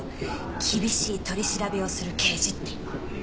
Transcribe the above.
「厳しい取り調べをする刑事」って。